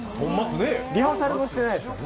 リハーサルもしてないですよね。